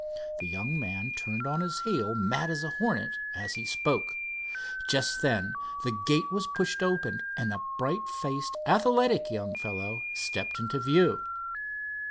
The young man turned on his heel, mad as a hornet, as he spoke. Just then the gate was pushed open, and a bright faced, athletic young fellow stepped into view.